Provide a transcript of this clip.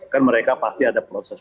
kan mereka pasti ada proses